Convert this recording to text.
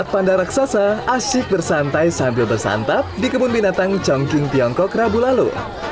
empat panda raksasa asyik bersantai sampil bersantap di kebun binatang chongqing tiongkok rabu lalu